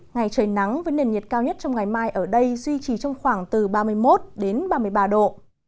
ngày trời nắng với nền nhiệt cao nhất trong ngày mai ở đây duy trì trong khoảng từ ba mươi một đến ba mươi ba độ